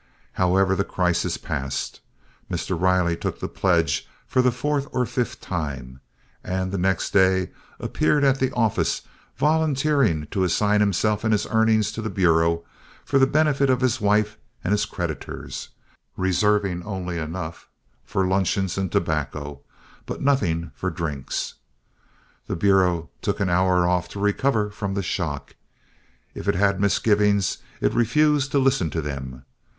However, that crisis passed. Mr. Riley took the pledge for the fourth or fifth time, and the next day appeared at the office, volunteering to assign himself and his earnings to the Bureau for the benefit of his wife and his creditors, reserving only enough for luncheons and tobacco, but nothing for drinks. The Bureau took an hour off to recover from the shock. If it had misgivings, it refused to listen to them.